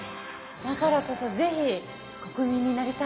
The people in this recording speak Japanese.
だからこそぜひ国民になりたい。